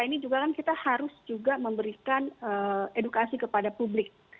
ini juga kan kita harus juga memberikan edukasi kepada publik